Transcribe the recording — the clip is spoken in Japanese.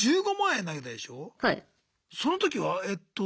その時は？えっと。